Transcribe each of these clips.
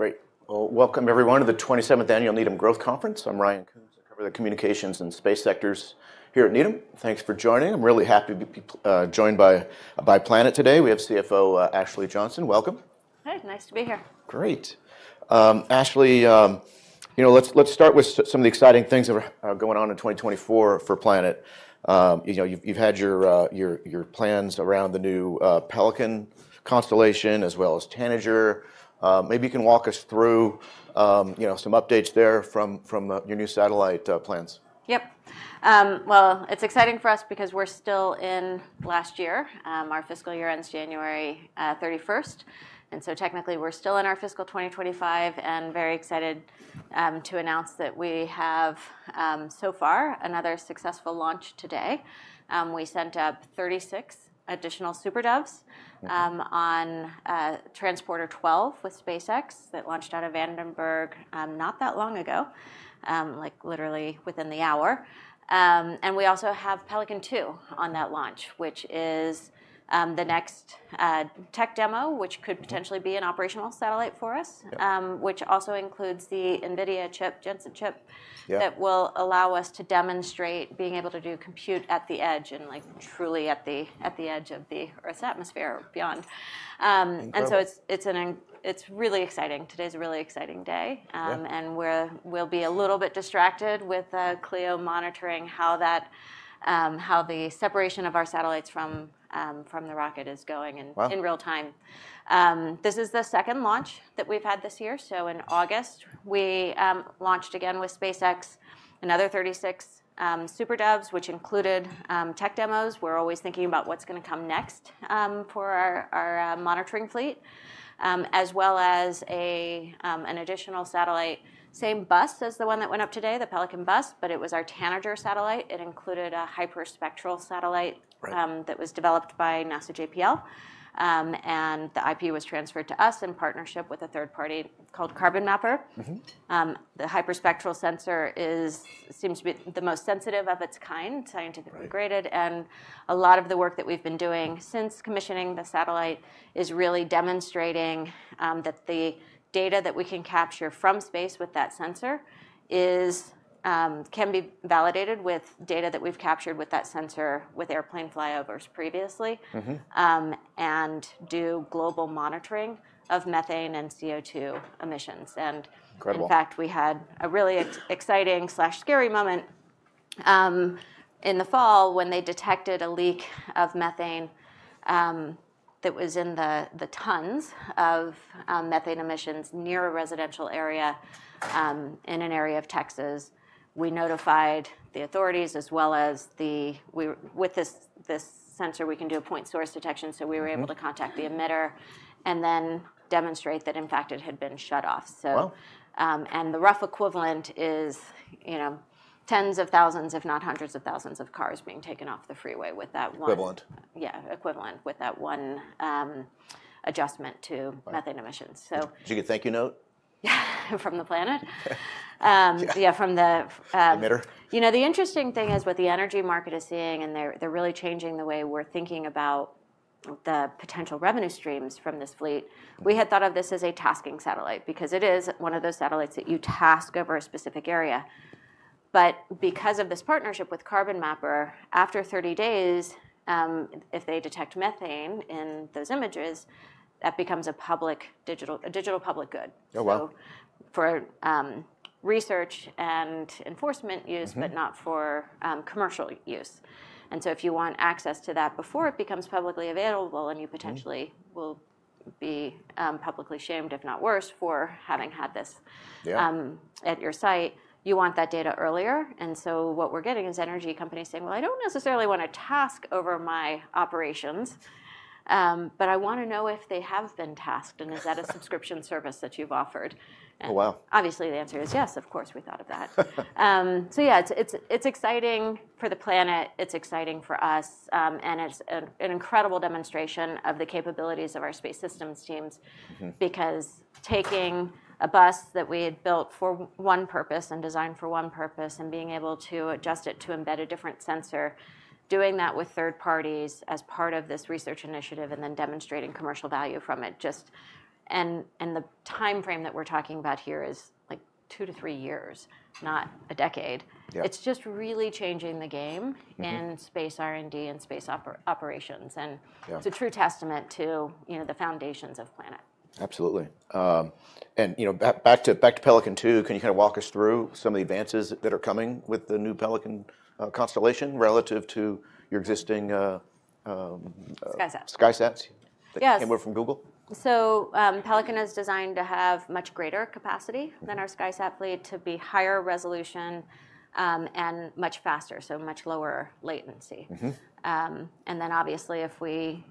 Great. Well, welcome, everyone, to the 27th Annual Needham & Company Growth Conference. I'm Ryan Koontz. I cover the communications and space sectors here at Needham & Company. Thanks for joining. I'm really happy to be joined by Planet today. We have CFO Ashley Johnson. Welcome. Hey, nice to be here. Great. Ashley, you know, let's start with some of the exciting things that are going on in 2024 for Planet. You've had your plans around the new Pelican constellation, as well as Tanager. Maybe you can walk us through some updates there from your new satellite plans? Yep. Well, it's exciting for us because we're still in last year. Our fiscal year ends January 31st, and so technically, we're still in our fiscal 2025 and very excited to announce that we have, so far, another successful launch today. We sent up 36 additional SuperDoves on Transporter 12 with SpaceX that launched out of Vandenberg not that long ago, like literally within the hour, and we also have Pelican 2 on that launch, which is the next tech demo, which could potentially be an operational satellite for us, which also includes the NVIDIA chip, Jetson chip, that will allow us to demonstrate being able to do compute at the edge and truly at the edge of the Earth's atmosphere or beyond, and so it's really exciting. Today's a really exciting day. We'll be a little bit distracted with Cleo monitoring how the separation of our satellites from the rocket is going in real time. This is the second launch that we've had this year. In August, we launched again with SpaceX another 36 SuperDoves, which included tech demos. We're always thinking about what's going to come next for our monitoring fleet, as well as an additional satellite, same bus as the one that went up today, the Pelican bus, but it was our Tanager satellite. It included a hyperspectral satellite that was developed by NASA JPL. The IP was transferred to us in partnership with a third party called Carbon Mapper. The hyperspectral sensor seems to be the most sensitive of its kind, scientifically graded. A lot of the work that we've been doing since commissioning the satellite is really demonstrating that the data that we can capture from space with that sensor can be validated with data that we've captured with that sensor with airplane flyovers previously and do global monitoring of methane and CO2 emissions. Incredible. In fact, we had a really exciting, scary moment in the fall when they detected a leak of methane that was in the tons of methane emissions near a residential area in an area of Texas. We notified the authorities as well as the, with this sensor, we can do a point source detection, so we were able to contact the emitter and then demonstrate that, in fact, it had been shut off. Wow. The rough equivalent is tens of thousands, if not hundreds of thousands of cars being taken off the freeway with that one. Equivalent. Yeah, equivalent with that one adjustment to methane emissions. Did you get a thank you note? Yeah, from the Planet. Yeah, from the emitter. You know, the interesting thing is what the energy market is seeing, and they're really changing the way we're thinking about the potential revenue streams from this fleet. We had thought of this as a tasking satellite because it is one of those satellites that you task over a specific area. But because of this partnership with Carbon Mapper, after 30 days, if they detect methane in those images, that becomes a digital public good. Oh, wow. For research and enforcement use, but not for commercial use. And so if you want access to that before it becomes publicly available, and you potentially will be publicly shamed, if not worse, for having had this at your site, you want that data earlier. And so what we're getting is energy companies saying, well, I don't necessarily want to task over my operations, but I want to know if they have been tasked, and is that a subscription service that you've offered? Oh, wow. Obviously, the answer is yes. Of course, we thought of that, so yeah, it's exciting for the planet. It's exciting for us, and it's an incredible demonstration of the capabilities of our space systems teams because taking a bus that we had built for one purpose and designed for one purpose and being able to adjust it to embed a different sensor, doing that with third parties as part of this research initiative and then demonstrating commercial value from it, just in the time frame that we're talking about here is like two to three years, not a decade. It's just really changing the game in space R&D and space operations, and it's a true testament to the foundations of Planet. Absolutely. And back to Pelican 2, can you kind of walk us through some of the advances that are coming with the new Pelican constellation relative to your existing? SkySat. SkySat? Yes. That came over from Google? Pelican is designed to have much greater capacity than our SkySat fleet, to be higher resolution and much faster, so much lower latency. And then obviously, if we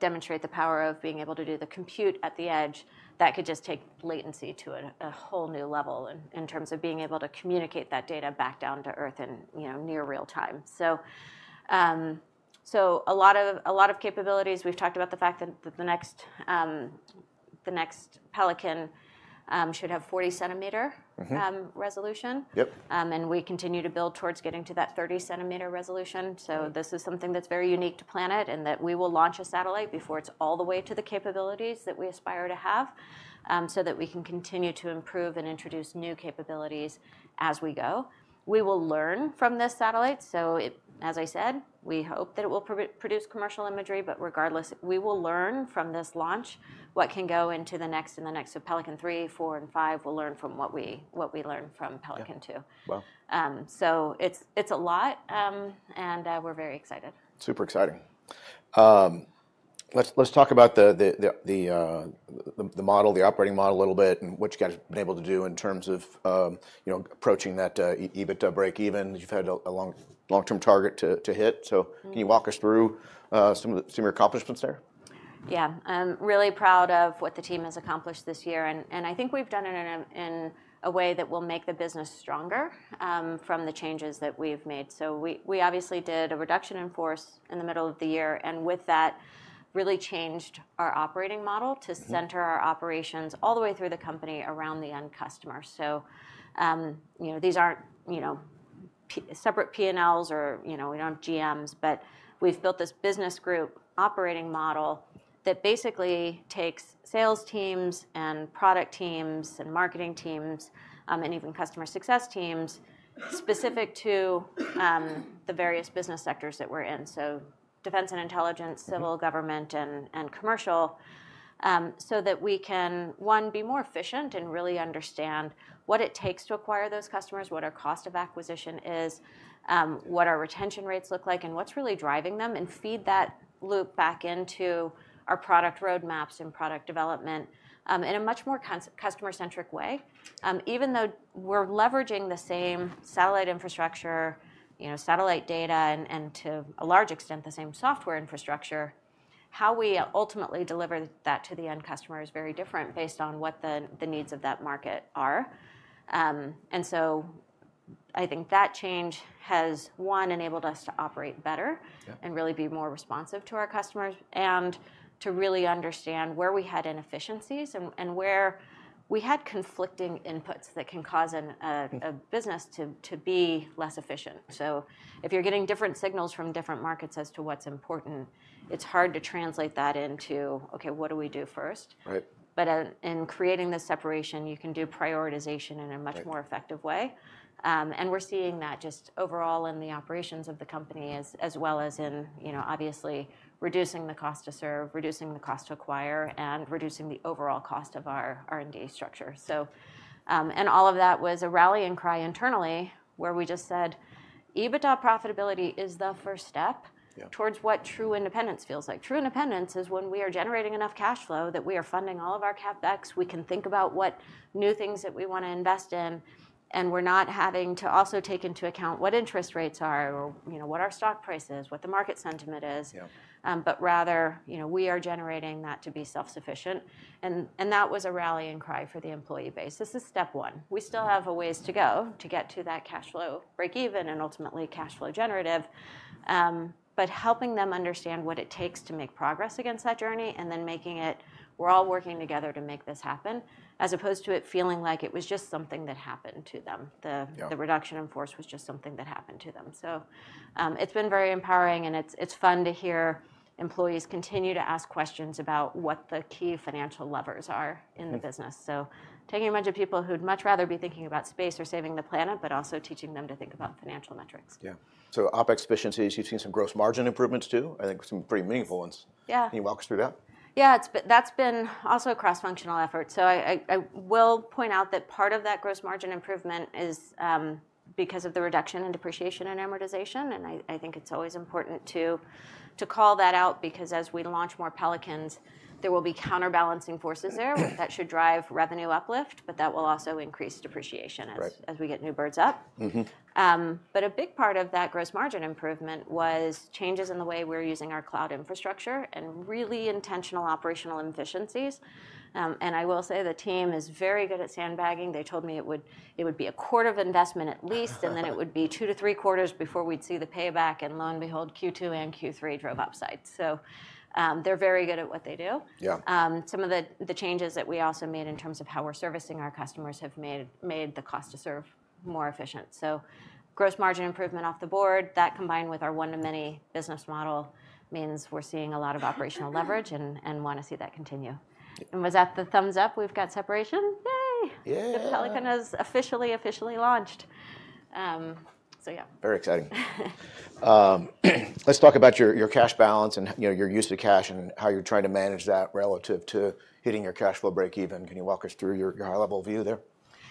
demonstrate the power of being able to do the compute at the edge, that could just take latency to a whole new level in terms of being able to communicate that data back down to Earth in near real time. So a lot of capabilities. We've talked about the fact that the next Pelican should have 40-centimeter resolution. Yep. We continue to build towards getting to that 30-centimeter resolution. This is something that's very unique to Planet and that we will launch a satellite before it's all the way to the capabilities that we aspire to have so that we can continue to improve and introduce new capabilities as we go. We will learn from this satellite. As I said, we hope that it will produce commercial imagery. But regardless, we will learn from this launch what can go into the next and the next. Pelican 3, 4, and 5, we'll learn from what we learn from Pelican 2. Wow. It's a lot, and we're very excited. Super exciting. Let's talk about the model, the operating model a little bit, and what you guys have been able to do in terms of approaching that EBITDA break-even. You've had a long-term target to hit. So can you walk us through some of your accomplishments there? Yeah. I'm really proud of what the team has accomplished this year. And I think we've done it in a way that will make the business stronger from the changes that we've made. So we obviously did a reduction in force in the middle of the year, and with that, really changed our operating model to center our operations all the way through the company around the end customer. These aren't separate P&Ls or we don't have GMs, but we've built this business group operating model that basically takes sales teams and product teams and marketing teams and even customer success teams specific to the various business sectors that we're in, so defense and intelligence, civil government, and commercial, so that we can, one, be more efficient and really understand what it takes to acquire those customers, what our cost of acquisition is, what our retention rates look like, and what's really driving them, and feed that loop back into our product roadmaps and product development in a much more customer-centric way. Even though we're leveraging the same satellite infrastructure, satellite data, and to a large extent the same software infrastructure, how we ultimately deliver that to the end customer is very different based on what the needs of that market are. I think that change has, one, enabled us to operate better and really be more responsive to our customers and to really understand where we had inefficiencies and where we had conflicting inputs that can cause a business to be less efficient. If you're getting different signals from different markets as to what's important, it's hard to translate that into, okay, what do we do first? Right. But in creating this separation, you can do prioritization in a much more effective way. And we're seeing that just overall in the operations of the company, as well as in obviously reducing the cost to serve, reducing the cost to acquire, and reducing the overall cost of our R&D structure. And all of that was a rallying cry internally where we just said, EBITDA profitability is the first step towards what true independence feels like. True independence is when we are generating enough cash flow that we are funding all of our CapEx. We can think about what new things that we want to invest in, and we're not having to also take into account what interest rates are or what our stock price is, what the market sentiment is, but rather we are generating that to be self-sufficient. And that was a rallying cry for the employee base. This is step one. We still have a ways to go to get to that cash flow break-even and ultimately cash flow generative, but helping them understand what it takes to make progress against that journey and then making it, we're all working together to make this happen, as opposed to it feeling like it was just something that happened to them. The reduction in force was just something that happened to them. So it's been very empowering, and it's fun to hear employees continue to ask questions about what the key financial levers are in the business. So taking a bunch of people who'd much rather be thinking about space or saving the planet, but also teaching them to think about financial metrics. Yeah. So OpEx efficiencies, you've seen some gross margin improvements too, I think some pretty meaningful ones. Can you walk us through that? Yeah, that's been also a cross-functional effort, so I will point out that part of that gross margin improvement is because of the reduction in depreciation and amortization, and I think it's always important to call that out because as we launch more Pelicans, there will be counterbalancing forces there that should drive revenue uplift, but that will also increase depreciation as we get new birds up, but a big part of that gross margin improvement was changes in the way we're using our cloud infrastructure and really intentional operational efficiencies, and I will say the team is very good at sandbagging. They told me it would be a quarter of investment at least, and then it would be two to three quarters before we'd see the payback, and lo and behold, Q2 and Q3 drove upside, so they're very good at what they do. Yeah. Some of the changes that we also made in terms of how we're servicing our customers have made the cost to serve more efficient. So gross margin improvement off the board, that combined with our one-to-many business model means we're seeing a lot of operational leverage and want to see that continue. And was that the thumbs up? We've got separation. Yay. Yay. The Pelican is officially launched. So yeah. Very exciting. Let's talk about your cash balance and your use of cash and how you're trying to manage that relative to hitting your cash flow break-even. Can you walk us through your high-level view there?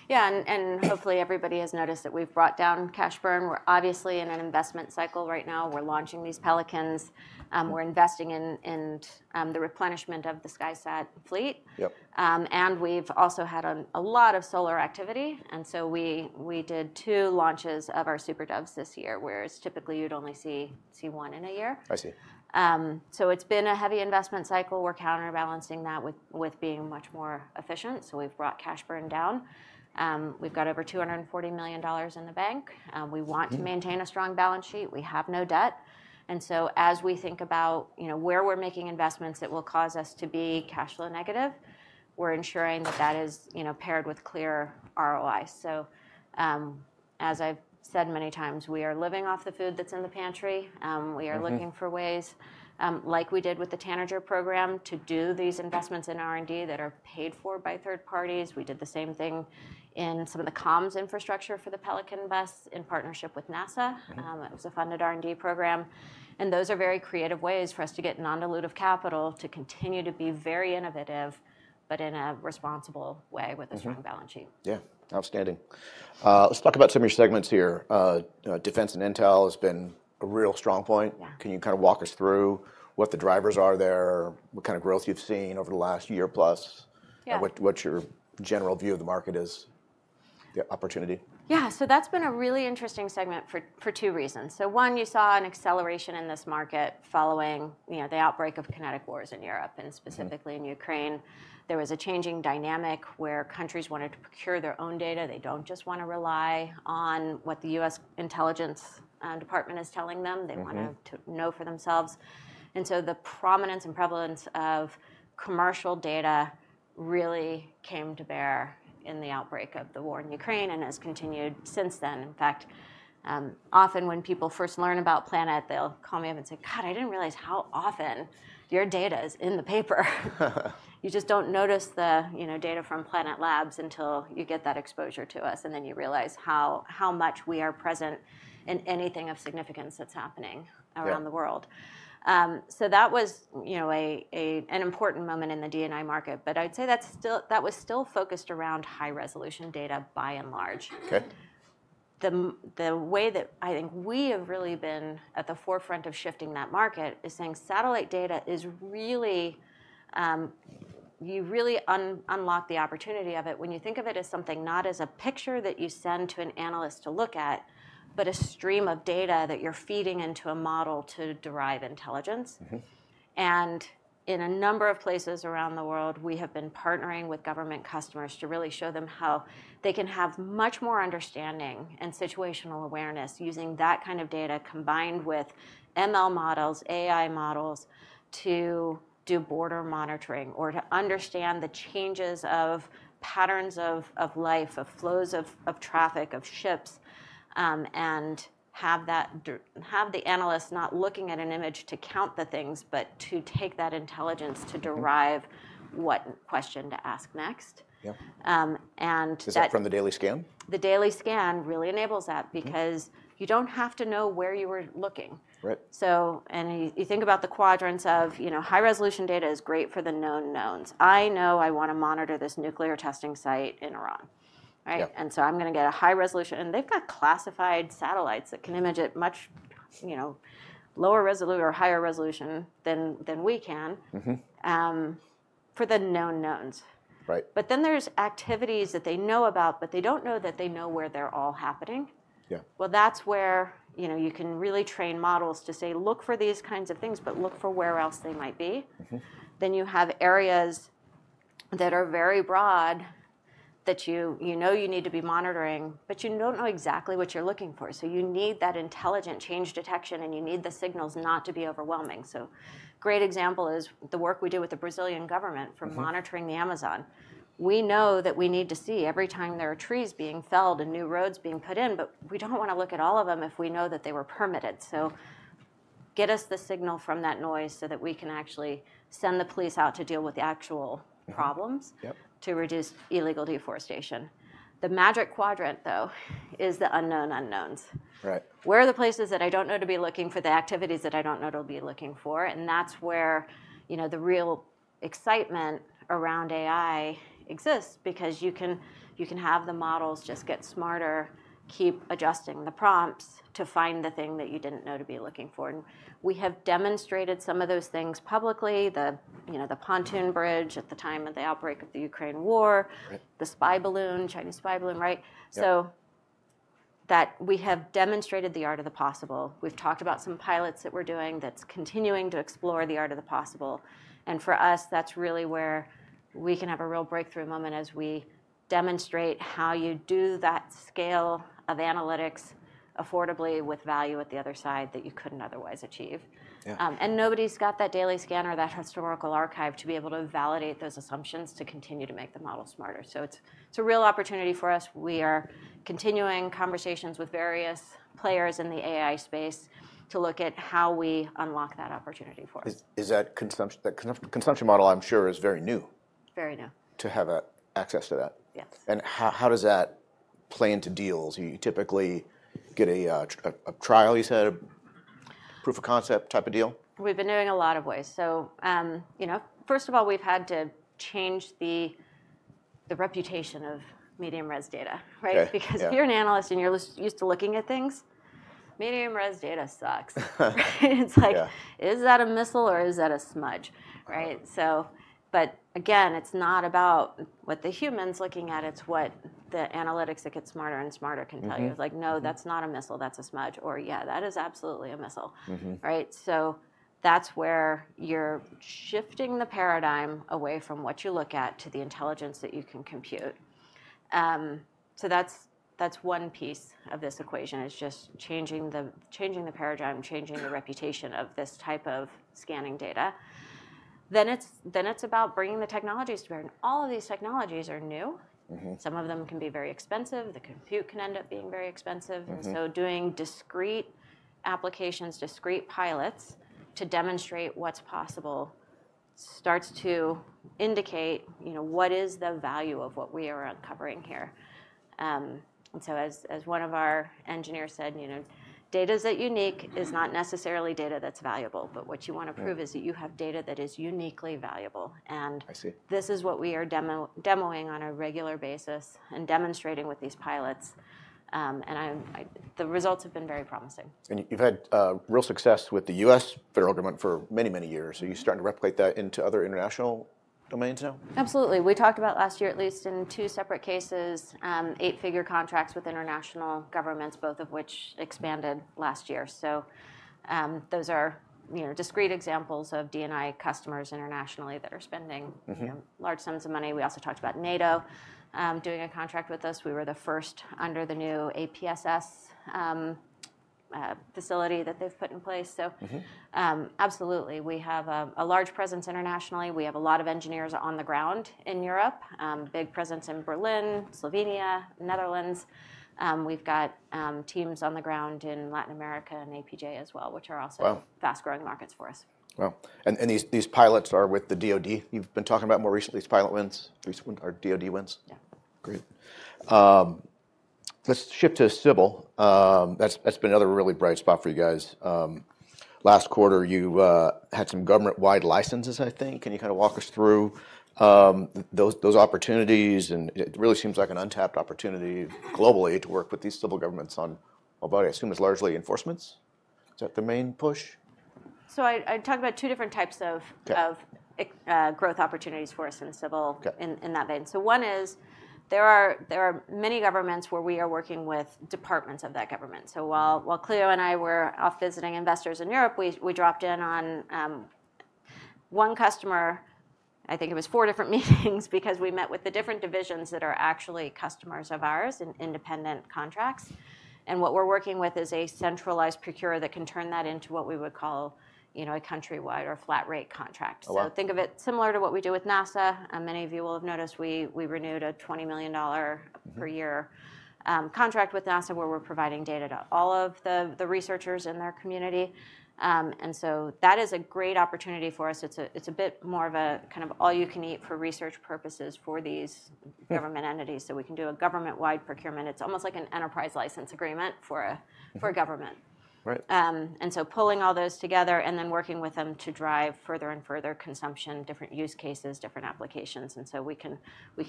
Yeah. And hopefully everybody has noticed that we've brought down cash burn. We're obviously in an investment cycle right now. We're launching these Pelicans. We're investing in the replenishment of the SkySat fleet. Yep. And we've also had a lot of solar activity. And so we did two launches of our SuperDoves this year, whereas typically you'd only see one in a year. I see. It's been a heavy investment cycle. We're counterbalancing that with being much more efficient. We've brought cash burn down. We've got over $240 million in the bank. We want to maintain a strong balance sheet. We have no debt. As we think about where we're making investments that will cause us to be cash flow negative, we're ensuring that that is paired with clear ROI. As I've said many times, we are living off the food that's in the pantry. We are looking for ways, like we did with the Tanager program, to do these investments in R&D that are paid for by third parties. We did the same thing in some of the comms infrastructure for the Pelican bus in partnership with NASA. It was a funded R&D program. Those are very creative ways for us to get non-dilutive capital to continue to be very innovative, but in a responsible way with a strong balance sheet. Yeah, outstanding. Let's talk about some of your segments here. Defense and Intel has been a real strong point. Can you kind of walk us through what the drivers are there, what kind of growth you've seen over the last year plus, what your general view of the market is, the opportunity? Yeah, so that's been a really interesting segment for two reasons. So one, you saw an acceleration in this market following the outbreak of kinetic wars in Europe and specifically in Ukraine. There was a changing dynamic where countries wanted to procure their own data. They don't just want to rely on what the U.S. Intelligence Department is telling them. They want to know for themselves. And so the prominence and prevalence of commercial data really came to bear in the outbreak of the war in Ukraine and has continued since then. In fact, often when people first learn about Planet, they'll call me up and say, "God, I didn't realize how often your data is in the paper." You just don't notice the data from Planet Labs until you get that exposure to us, and then you realize how much we are present in anything of significance that's happening around the world. So that was an important moment in the D&I market, but I'd say that was still focused around high-resolution data by and large. Okay. The way that I think we have really been at the forefront of shifting that market is saying satellite data is really, you really unlock the opportunity of it when you think of it as something not as a picture that you send to an analyst to look at, but a stream of data that you're feeding into a model to derive intelligence. And in a number of places around the world, we have been partnering with government customers to really show them how they can have much more understanding and situational awareness using that kind of data combined with ML models, AI models to do border monitoring or to understand the changes of patterns of life, of flows of traffic, of ships, and have the analyst not looking at an image to count the things, but to take that intelligence to derive what question to ask next. Yeah. Is that from the Daily Scan? The Daily Scan really enables that because you don't have to know where you were looking. Right. You think about the quadrants of high-resolution data is great for the known knowns. I know I want to monitor this nuclear testing site in Iran. And so I'm going to get a high-resolution, and they've got classified satellites that can image at much lower resolution or higher resolution than we can for the known knowns. Right. But then there's activities that they know about, but they don't know that they know where they're all happening. Yeah. That's where you can really train models to say, "Look for these kinds of things, but look for where else they might be." Then you have areas that are very broad that you know you need to be monitoring, but you don't know exactly what you're looking for. So you need that intelligent change detection, and you need the signals not to be overwhelming. So a great example is the work we do with the Brazilian government for monitoring the Amazon. We know that we need to see every time there are trees being felled and new roads being put in, but we don't want to look at all of them if we know that they were permitted. So get us the signal from that noise so that we can actually send the police out to deal with the actual problems to reduce illegal deforestation. The magic quadrant, though, is the unknown unknowns. Right. Where are the places that I don't know to be looking for the activities that I don't know to be looking for? And that's where the real excitement around AI exists because you can have the models just get smarter, keep adjusting the prompts to find the thing that you didn't know to be looking for. And we have demonstrated some of those things publicly, the pontoon bridge at the time of the outbreak of the Ukraine war, the spy balloon, Chinese spy balloon, right? So we have demonstrated the art of the possible. We've talked about some pilots that we're doing that's continuing to explore the art of the possible. And for us, that's really where we can have a real breakthrough moment as we demonstrate how you do that scale of analytics affordably with value at the other side that you couldn't otherwise achieve. And nobody's got that Daily Scan or that historical archive to be able to validate those assumptions to continue to make the model smarter. So it's a real opportunity for us. We are continuing conversations with various players in the AI space to look at how we unlock that opportunity for us. Is that consumption model, I'm sure, is very new? Very new. To have access to that. Yes. And how does that play into deals? You typically get a trial, you said, a proof of concept type of deal? We've been doing a lot of ways. So first of all, we've had to change the reputation of medium res data, right? Because if you're an analyst and you're used to looking at things, medium res data sucks. It's like, is that a missile or is that a smudge? Right? But again, it's not about what the human's looking at. It's what the analytics that get smarter and smarter can tell you. It's like, no, that's not a missile. That's a smudge. Or yeah, that is absolutely a missile. Right? So that's where you're shifting the paradigm away from what you look at to the intelligence that you can compute. So that's one piece of this equation is just changing the paradigm, changing the reputation of this type of scanning data. Then it's about bringing the technologies to bear. And all of these technologies are new. Some of them can be very expensive. The compute can end up being very expensive, and so doing discrete applications, discrete pilots to demonstrate what's possible starts to indicate what is the value of what we are uncovering here, and so as one of our engineers said, data that's unique is not necessarily data that's valuable, but what you want to prove is that you have data that is uniquely valuable, and this is what we are demoing on a regular basis and demonstrating with these pilots, and the results have been very promising. You've had real success with the U.S. federal government for many, many years. Are you starting to replicate that into other international domains now? Absolutely. We talked about last year, at least in two separate cases, eight-figure contracts with international governments, both of which expanded last year. So those are discrete examples of D&I customers internationally that are spending large sums of money. We also talked about NATO doing a contract with us. We were the first under the new APSS facility that they've put in place. So absolutely, we have a large presence internationally. We have a lot of engineers on the ground in Europe, big presence in Berlin, Slovenia, Netherlands. We've got teams on the ground in Latin America and APJ as well, which are also fast-growing markets for us. Wow. And these pilots are with the DOD. You've been talking about more recently these pilot wins, these DOD wins? Yeah. Great. Let's shift to civil. That's been another really bright spot for you guys. Last quarter, you had some government-wide licenses, I think. Can you kind of walk us through those opportunities? And it really seems like an untapped opportunity globally to work with these civil governments on, I assume, largely enforcement. Is that the main push? I talked about two different types of growth opportunities for us in the civil in that vein. One is there are many governments where we are working with departments of that government. While Cleo and I were off visiting investors in Europe, we dropped in on one customer. I think it was four different meetings because we met with the different divisions that are actually customers of ours in independent contracts. What we're working with is a centralized procurer that can turn that into what we would call a countrywide or flat-rate contract. Think of it similar to what we do with NASA. Many of you will have noticed we renewed a $20 million per year contract with NASA where we're providing data to all of the researchers in their community. That is a great opportunity for us. It's a bit more of a kind of all-you-can-eat for research purposes for these government entities. So we can do a government-wide procurement. It's almost like an enterprise license agreement for government. And so pulling all those together and then working with them to drive further and further consumption, different use cases, different applications. And so we can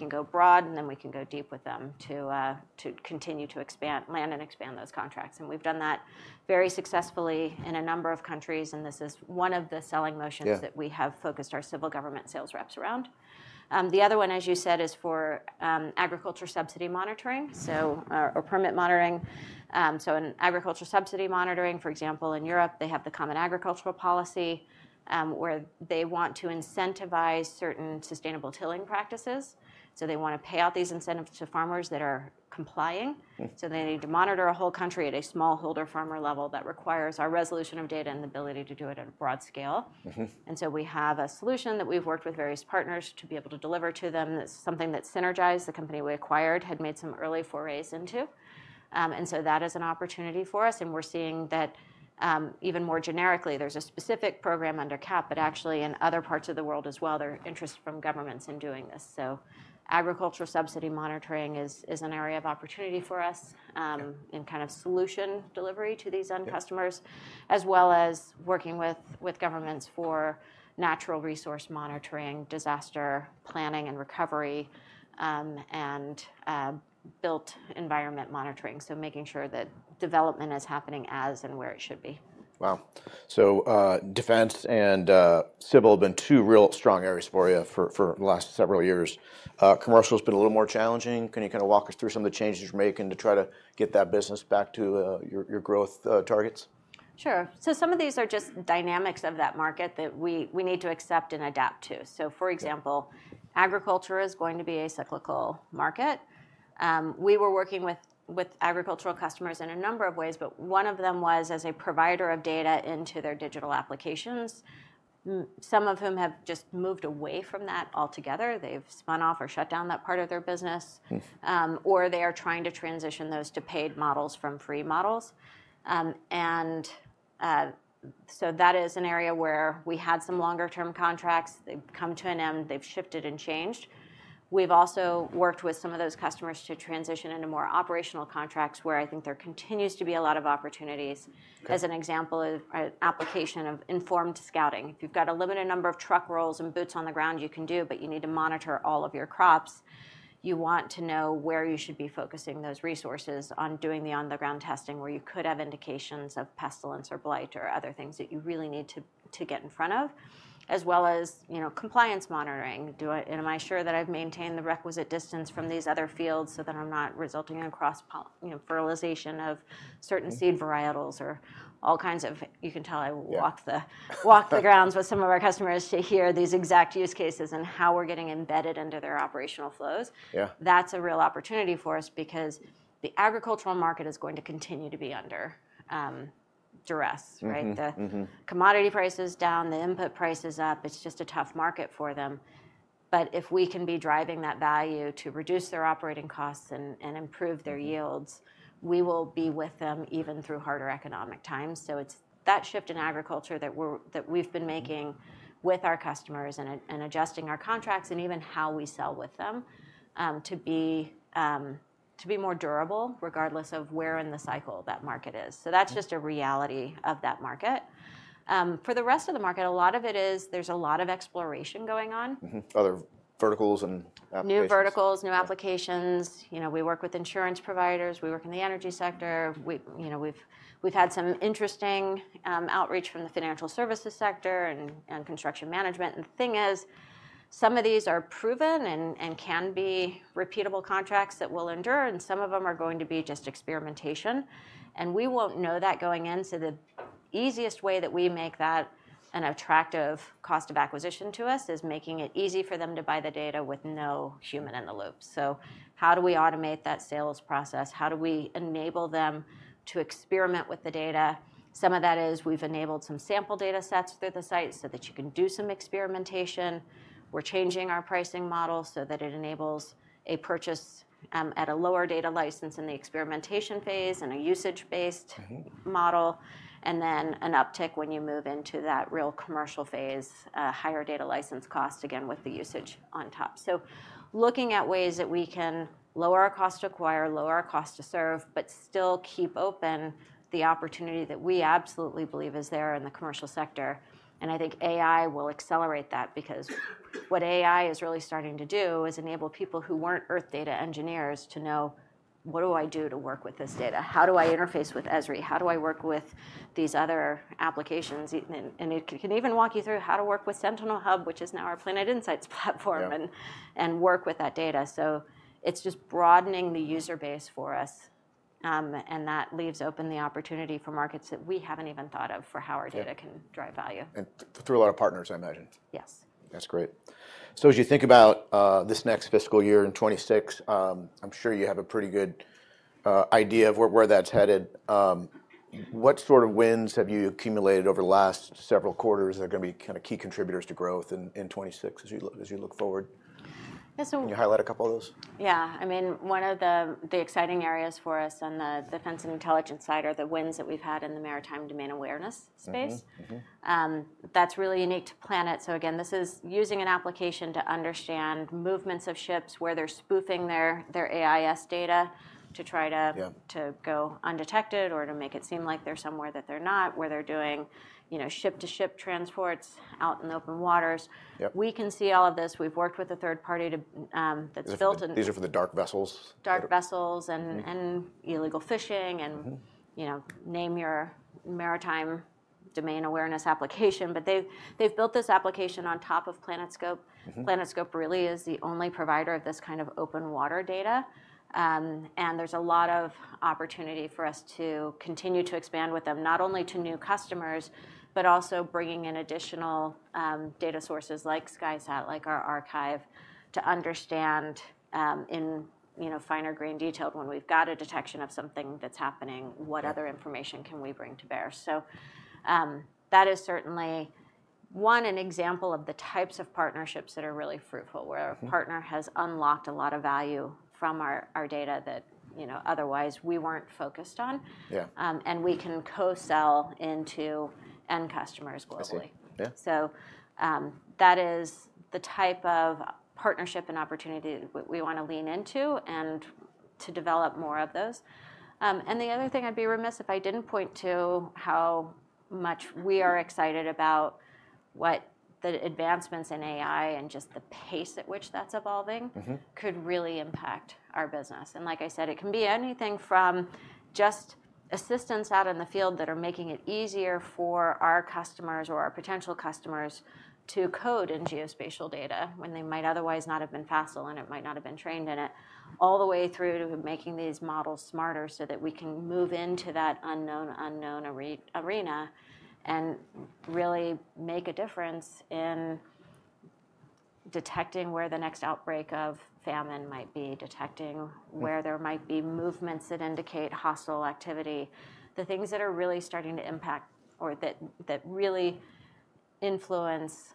go broad and then we can go deep with them to continue to expand, land and expand those contracts. And we've done that very successfully in a number of countries. And this is one of the selling motions that we have focused our civil government sales reps around. The other one, as you said, is for agriculture subsidy monitoring or permit monitoring. So in agriculture subsidy monitoring, for example, in Europe, they have the Common Agricultural Policy where they want to incentivize certain sustainable tilling practices. They want to pay out these incentives to farmers that are complying. They need to monitor a whole country at a smallholder farmer level that requires our resolution of data and the ability to do it at a broad scale. We have a solution that we've worked with various partners to be able to deliver to them that's something that Sinergise, the company we acquired, had made some early forays into. That is an opportunity for us. We're seeing that even more generically. There's a specific program under CAP, but actually in other parts of the world as well, there are interests from governments in doing this. So agriculture subsidy monitoring is an area of opportunity for us in kind of solution delivery to these end customers, as well as working with governments for natural resource monitoring, disaster planning and recovery, and built environment monitoring. So making sure that development is happening as and where it should be. Wow. So defense and civil have been two real strong areas for you for the last several years. Commercial has been a little more challenging. Can you kind of walk us through some of the changes you're making to try to get that business back to your growth targets? Sure. So some of these are just dynamics of that market that we need to accept and adapt to. So for example, agriculture is going to be a cyclical market. We were working with agricultural customers in a number of ways, but one of them was as a provider of data into their digital applications. Some of them have just moved away from that altogether. They've spun off or shut down that part of their business, or they are trying to transition those to paid models from free models. And so that is an area where we had some longer-term contracts. They've come to an end. They've shifted and changed. We've also worked with some of those customers to transition into more operational contracts where I think there continues to be a lot of opportunities. As an example, an application of informed scouting. If you've got a limited number of truck rolls and boots on the ground, you can do, but you need to monitor all of your crops. You want to know where you should be focusing those resources on doing the on-the-ground testing where you could have indications of pestilence or blight or other things that you really need to get in front of, as well as compliance monitoring. Am I sure that I've maintained the requisite distance from these other fields so that I'm not resulting in cross-fertilization of certain seed varietals or all kinds of, you can tell I walked the grounds with some of our customers to hear these exact use cases and how we're getting embedded into their operational flows? That's a real opportunity for us because the agricultural market is going to continue to be under duress. The commodity price is down, the input price is up. It's just a tough market for them. But if we can be driving that value to reduce their operating costs and improve their yields, we will be with them even through harder economic times. So it's that shift in agriculture that we've been making with our customers and adjusting our contracts and even how we sell with them to be more durable regardless of where in the cycle that market is. So that's just a reality of that market. For the rest of the market, a lot of it is there's a lot of exploration going on. Other verticals and applications. New verticals, new applications. We work with insurance providers. We work in the energy sector. We've had some interesting outreach from the financial services sector and construction management. And the thing is, some of these are proven and can be repeatable contracts that will endure, and some of them are going to be just experimentation. And we won't know that going in. So the easiest way that we make that an attractive cost of acquisition to us is making it easy for them to buy the data with no human in the loop. So how do we automate that sales process? How do we enable them to experiment with the data? Some of that is we've enabled some sample data sets through the site so that you can do some experimentation. We're changing our pricing model so that it enables a purchase at a lower data license in the experimentation phase and a usage-based model. And then an uptick when you move into that real commercial phase, higher data license cost, again, with the usage on top. So looking at ways that we can lower our cost to acquire, lower our cost to serve, but still keep open the opportunity that we absolutely believe is there in the commercial sector. And I think AI will accelerate that because what AI is really starting to do is enable people who weren't Earth data engineers to know, what do I do to work with this data? How do I interface with Esri? How do I work with these other applications? It can even walk you through how to work with Sentinel Hub, which is now our Planet Insights Platform, and work with that data. It's just broadening the user base for us. That leaves open the opportunity for markets that we haven't even thought of for how our data can drive value. Through a lot of partners, I imagine. Yes. That's great. So as you think about this next fiscal year in 2026, I'm sure you have a pretty good idea of where that's headed. What sort of wins have you accumulated over the last several quarters that are going to be kind of key contributors to growth in 2026 as you look forward? Can you highlight a couple of those? Yeah. I mean, one of the exciting areas for us on the defense and intelligence side are the wins that we've had in the maritime domain awareness space. That's really unique to Planet. So again, this is using an application to understand movements of ships where they're spoofing their AIS data to try to go undetected or to make it seem like they're somewhere that they're not, where they're doing ship-to-ship transports out in open waters. We can see all of this. We've worked with a third party that's built. These are for the dark vessels. Dark vessels and illegal fishing and name your Maritime Domain Awareness application. But they've built this application on top of PlanetScope. PlanetScope really is the only provider of this kind of open water data. And there's a lot of opportunity for us to continue to expand with them, not only to new customers, but also bringing in additional data sources like SkySat, like our archive to understand in finer-grained detail when we've got a detection of something that's happening, what other information can we bring to bear. So that is certainly one example of the types of partnerships that are really fruitful where a partner has unlocked a lot of value from our data that otherwise we weren't focused on. And we can co-sell into end customers globally. So that is the type of partnership and opportunity we want to lean into and to develop more of those. The other thing I'd be remiss if I didn't point to how much we are excited about what the advancements in AI and just the pace at which that's evolving could really impact our business. Like I said, it can be anything from just assistance out in the field that are making it easier for our customers or our potential customers to code in geospatial data when they might otherwise not have been facile and it might not have been trained in it, all the way through to making these models smarter so that we can move into that unknown, unknown arena and really make a difference in detecting where the next outbreak of famine might be, detecting where there might be movements that indicate hostile activity, the things that are really starting to impact or that really influence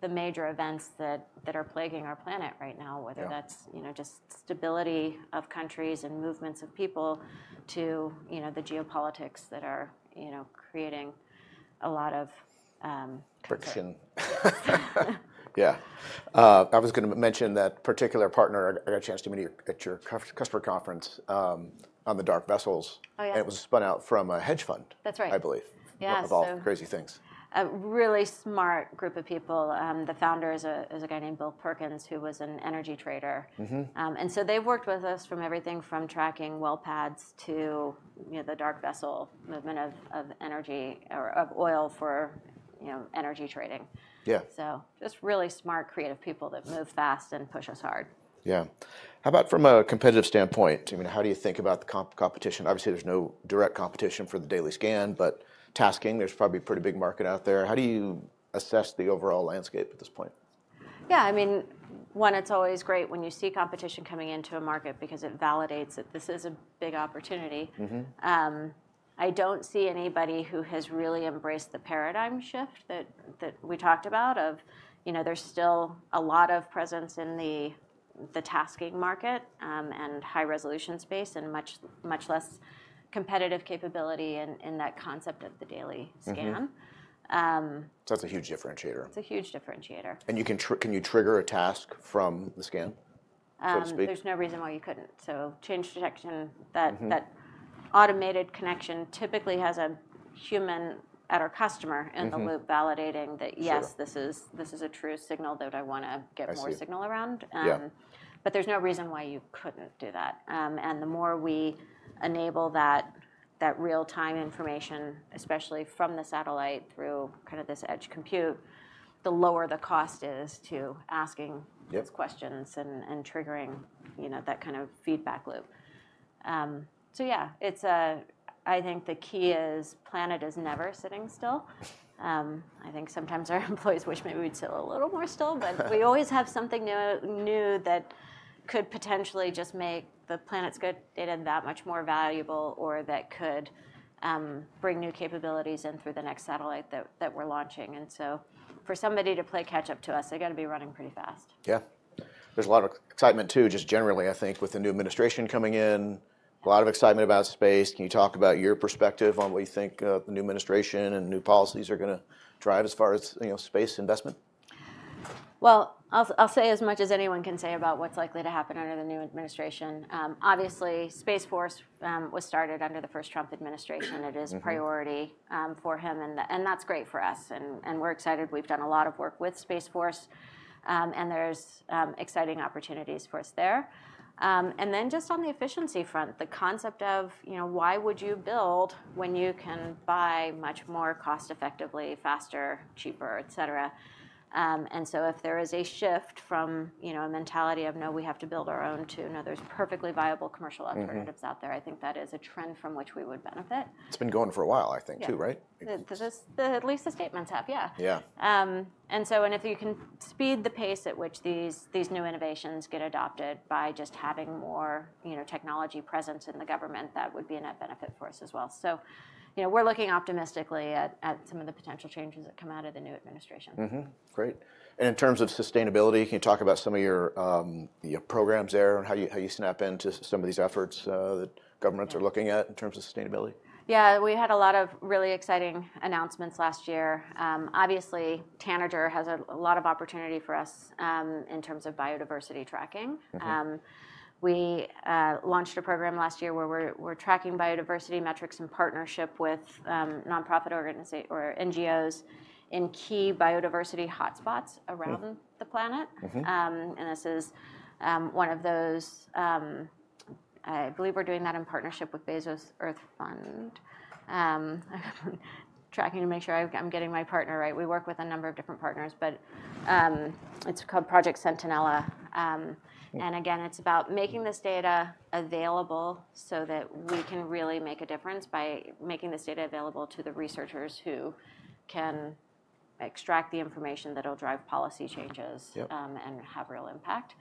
the major events that are plaguing our planet right now, whether that's just stability of countries and movements of people to the geopolitics that are creating a lot of. Friction. Yeah. I was going to mention that particular partner I got a chance to meet at your customer conference on the dark vessels. And it was spun out from a hedge fund, I believe. That's right. One of all crazy things. Really smart group of people. The founder is a guy named Bill Perkins who was an energy trader. And so they've worked with us from everything from tracking well pads to the dark vessel movement of energy or of oil for energy trading. So just really smart, creative people that move fast and push us hard. Yeah. How about from a competitive standpoint? I mean, how do you think about the competition? Obviously, there's no direct competition for the daily scan, but tasking, there's probably a pretty big market out there. How do you assess the overall landscape at this point? Yeah. I mean, one, it's always great when you see competition coming into a market because it validates that this is a big opportunity. I don't see anybody who has really embraced the paradigm shift that we talked about, of there's still a lot of presence in the tasking market and high resolution space and much less competitive capability in that concept of the daily scan. So that's a huge differentiator. It's a huge differentiator. Can you trigger a task from the scan, so to speak? There's no reason why you couldn't. So change detection, that automated connection typically has a human at our customer in the loop validating that, yes, this is a true signal that I want to get more signal around. But there's no reason why you couldn't do that. And the more we enable that real-time information, especially from the satellite through kind of this edge compute, the lower the cost is to asking those questions and triggering that kind of feedback loop. So yeah, I think the key is Planet is never sitting still. I think sometimes our employees wish maybe we'd sit a little more still, but we always have something new that could potentially just make Planet's good data that much more valuable or that could bring new capabilities in through the next satellite that we're launching. And so for somebody to play catch-up to us, they've got to be running pretty fast. Yeah. There's a lot of excitement too, just generally, I think, with the new administration coming in, a lot of excitement about space. Can you talk about your perspective on what you think the new administration and new policies are going to drive as far as space investment? I'll say as much as anyone can say about what's likely to happen under the new administration. Obviously, Space Force was started under the first Trump administration. It is a priority for him, and that's great for us. We're excited. We've done a lot of work with Space Force, and there's exciting opportunities for us there. Just on the efficiency front, the concept of why would you build when you can buy much more cost-effectively, faster, cheaper, et cetera. If there is a shift from a mentality of, no, we have to build our own to, no, there's perfectly viable commercial alternatives out there, I think that is a trend from which we would benefit. It's been going for a while, I think, too, right? At least the statements have, yeah. Yeah. And so if you can speed the pace at which these new innovations get adopted by just having more technology presence in the government, that would be a net benefit for us as well. So we're looking optimistically at some of the potential changes that come out of the new administration. Great, and in terms of sustainability, can you talk about some of your programs there and how you snap into some of these efforts that governments are looking at in terms of sustainability? Yeah. We had a lot of really exciting announcements last year. Obviously, Tanager has a lot of opportunity for us in terms of biodiversity tracking. We launched a program last year where we're tracking biodiversity metrics in partnership with nonprofit organizations or NGOs in key biodiversity hotspots around the planet. And this is one of those, I believe we're doing that in partnership with Bezos Earth Fund. I'm tracking to make sure I'm getting my partner right. We work with a number of different partners, but it's called Project Centinela. And again, it's about making this data available so that we can really make a difference by making this data available to the researchers who can extract the information that will drive policy changes and have real impact.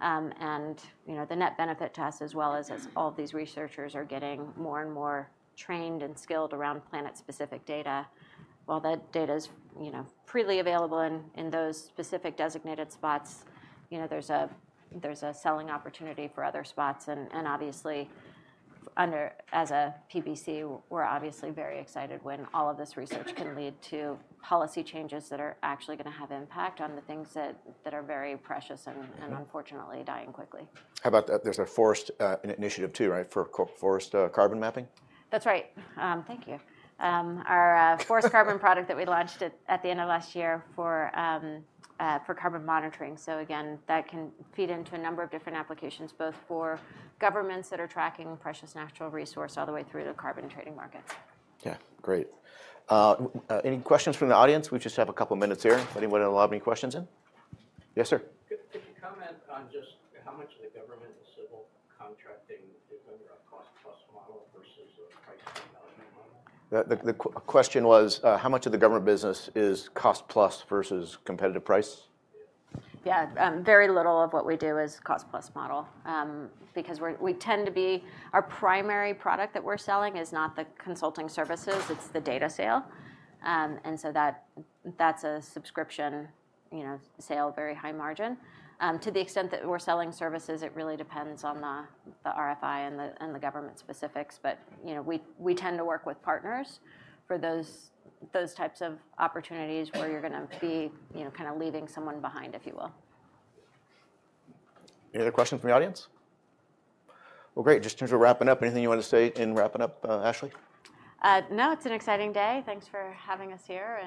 The net benefit to us, as well as all of these researchers are getting more and more trained and skilled around Planet-specific data. While that data is freely available in those specific designated spots, there's a selling opportunity for other spots. Obviously, as a PBC, we're obviously very excited when all of this research can lead to policy changes that are actually going to have impact on the things that are very precious and unfortunately dying quickly. How about there's a forest initiative too, right, for Forest Carbon mapping? That's right. Thank you. Our Forest Carbon product that we launched at the end of last year for carbon monitoring. So again, that can feed into a number of different applications, both for governments that are tracking precious natural resources all the way through to carbon trading markets. Yeah. Great. Any questions from the audience? We just have a couple of minutes here. Anyone want to lob any questions in? Yes, sir. Could you comment on just how much of the government and civil contracting is under a cost-plus model versus a price-accounting model? The question was, how much of the government business is cost-plus versus competitive price? Yeah. Very little of what we do is cost-plus model because we tend to be our primary product that we're selling is not the consulting services, it's the data sale. And so that's a subscription sale, very high margin. To the extent that we're selling services, it really depends on the RFI and the government specifics. But we tend to work with partners for those types of opportunities where you're going to be kind of leaving someone behind, if you will. Any other questions from the audience? Well, great. Just in terms of wrapping up, anything you want to say in wrapping up, Ashley? No, it's an exciting day. Thanks for having us here.